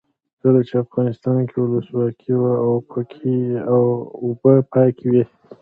کله چې افغانستان کې ولسواکي وي اوبه پاکې وي.